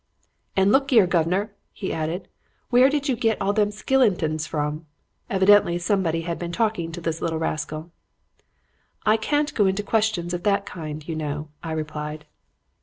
"'And look 'ere, guv'nor,' he added. 'Where did you git all them skillintons from?' Evidently somebody had been talking to this little rascal. "'I can't go into questions of that kind, you know,' I replied.